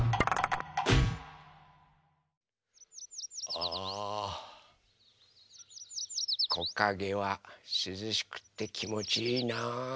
あこかげはすずしくってきもちいいなあ。